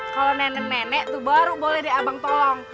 kalau nenek nenek tuh baru boleh deh abang tolong